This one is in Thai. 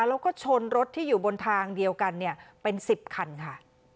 แล้วก็ชนรถที่อยู่บนทางเดียวกันเป็น๑๐คันค่ะ